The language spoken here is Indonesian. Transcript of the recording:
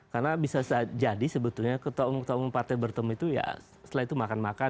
karena bisa jadi sebetulnya ketahuan ketahuan partai bertemu itu ya setelah itu makan makan